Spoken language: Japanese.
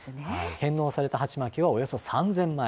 返納された鉢巻はおよそ３０００枚。